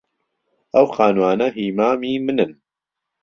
ئەو خانووانە هیی مامی منن.